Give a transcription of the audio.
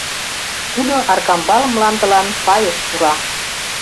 Тудо Аркамбал мландылан пайыш пура.